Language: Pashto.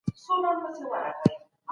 ډیپلوماسي د وقار لپاره ده.